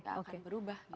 akan berubah gitu